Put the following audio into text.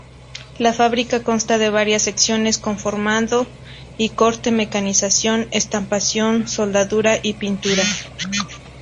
La fábrica consta de varias secciones: conformado y corte, mecanización, estampación, soldadura y pintura.